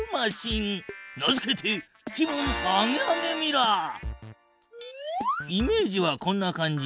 名付けてイメージはこんな感じ。